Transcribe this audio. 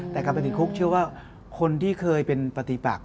แต่กลับไปติดคุกเชื่อว่าคนที่เคยเป็นปฏิปัก